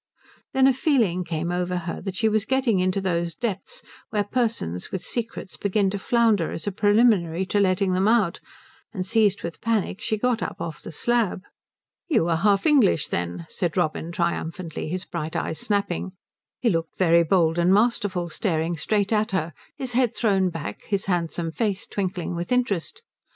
Then a feeling came over her that she was getting into those depths where persons with secrets begin to flounder as a preliminary to letting them out, and seized with panic she got up off the slab. "You are half English, then," said Robin triumphantly, his bright eyes snapping. He looked very bold and masterful staring straight at her, his head thrown back, his handsome face twinkling with interest.